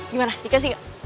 gimana dikasih gak